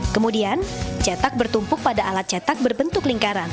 kemudian cetak bertumpuk pada atasnya